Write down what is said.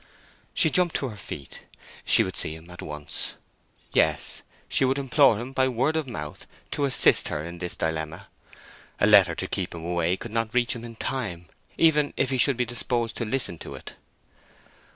She jumped to her feet. She would see him at once. Yes, she would implore him by word of mouth to assist her in this dilemma. A letter to keep him away could not reach him in time, even if he should be disposed to listen to it.